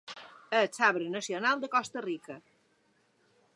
És l'arbre nacional de Costa Rica.